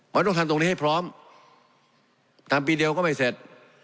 มันต้องทำตรงนี้ให้พร้อมทำปีเดียวก็ไม่เสร็จ